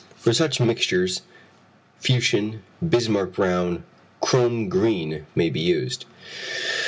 For such mixtures, fuchsin, bismarck brown, chrome green, may be used.